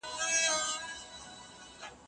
انرژي لرونکي څښاک مه کاروئ.